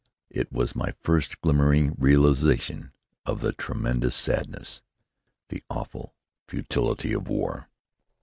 It was my first glimmering realization of the tremendous sadness, the awful futility of war.